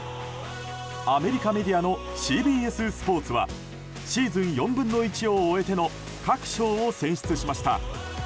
アメリカメディアのＣＢＳスポーツはシーズン４分の１を終えての各賞を選出しました。